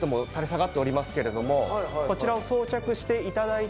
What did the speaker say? こちらを装着して頂いて。